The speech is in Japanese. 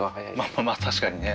まあ確かにね。